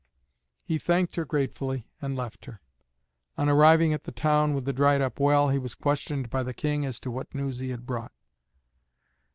He thanked her gratefully and left her. On arriving at the town with the dried up well, he was questioned by the King as to what news he had brought.